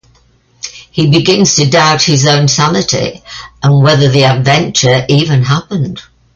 He begins to doubt his own sanity and whether the adventure even happened.